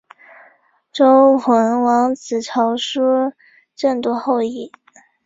周文王子曹叔振铎后裔。